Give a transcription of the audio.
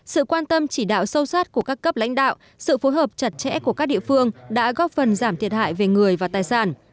sự quan tâm chỉ đạo sâu sát của các cấp lãnh đạo sự phối hợp chặt chẽ của các địa phương đã góp phần giảm thiệt hại về người và tài sản